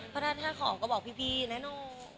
เพราะถ้าขอก็บอกพี่ในนโม